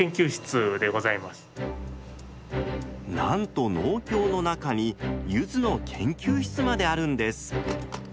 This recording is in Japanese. なんと農協の中にゆずの研究室まであるんです。